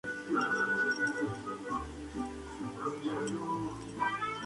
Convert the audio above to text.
El tratado efectivamente otorgó a Japón el control directo sobre la política coreana.